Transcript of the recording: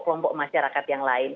kelompok masyarakat yang lain